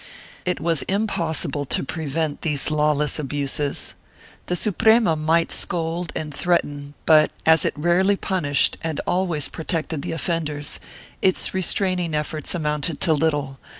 It was impossible to prevent these lawless abuses. The Suprema might scold and threaten but, as it rarely punished and always protected the offenders, its restraining efforts amounted to little.